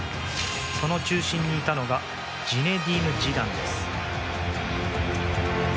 その中心にいたのがジネディーヌ・ジダンです。